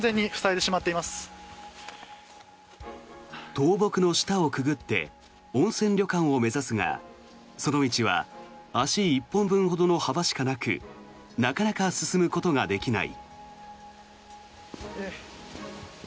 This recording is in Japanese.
倒木の下をくぐって温泉旅館を目指すがその道は足１本分ほどの幅しかなくなかなか進むことができない。